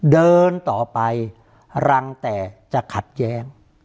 เดินต่อไปรังแต่จะขัดแย้ง